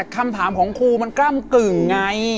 คำถามของครูมันกล้ำกึ่งไง